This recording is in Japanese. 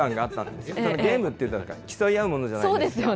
でもゲームっていうのは競い合うものじゃないですか。